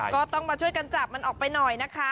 ก็ต้องมาช่วยกันจับมันออกไปหน่อยนะคะ